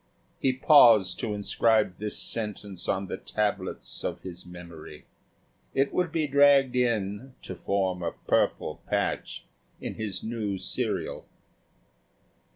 He paused to inscribe this sentence on the tablets of his memory. It would be dragged in to form a purple patch in his new serial.